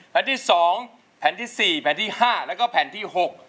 แผ่นที่๒แผ่นที่๔แผ่นที่๕แล้วก็แผ่นที่๖